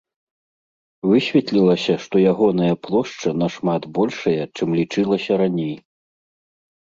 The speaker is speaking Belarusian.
Высветлілася, што ягоная плошча нашмат большая, чым лічылася раней.